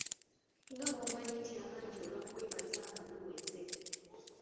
Nga bw'omanyi nti abangi we baakwebaza nga luweze.